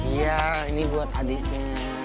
iya ini buat adiknya